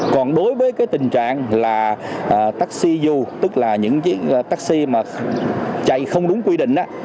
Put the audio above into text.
còn đối với cái tình trạng là taxi dù tức là những cái taxi mà chạy không đúng quy định